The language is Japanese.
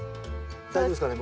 大丈夫ですかね？